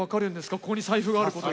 ここに財布があること。